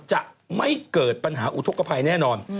จะไม่เกิดปัญหาอุทธกภัยแน่นอน